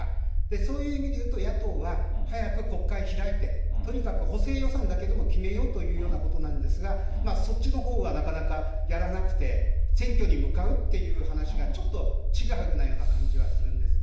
そういう意味でいうと、野党は早く国会開いて、とにかく補正予算だけでも決めようというようなことなんですが、そっちのほうはなかなかやらなくて、選挙に向かうっていう話が、ちょっとちぐはぐなような感じはするんですね。